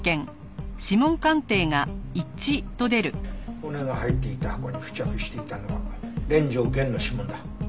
骨が入っていた箱に付着していたのは連城源の指紋だ。